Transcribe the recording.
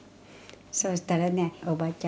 そうしたらねおばあちゃん